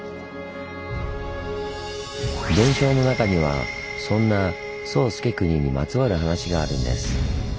伝承の中にはそんな宗資国にまつわる話があるんです。